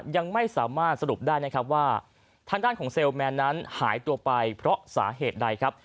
ยังไม่สามารถสรุปได้นะครับว่าทางด้านของเซลลแมนนั้นหายตัวไปเพราะสาเหตุใดครับ